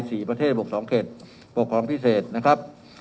ประเทศบกสองเขตปกครองพิเศษนะครับ